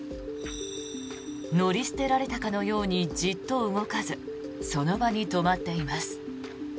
乗り捨てられたかのようにじっと動かずその場に止まっています。